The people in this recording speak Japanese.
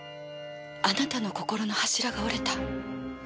あなたの心の柱が折れた。